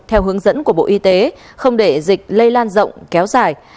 theo hướng dẫn của bộ y tế không để dịch lây lan rộng kéo dài